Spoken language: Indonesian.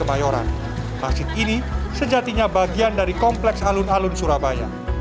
masjid ini sejatinya bagian dari kompleks alun alun surabaya